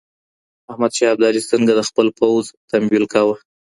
احمد شاه ابدالي څنګه د خپل پوځ تمويل کاوه؟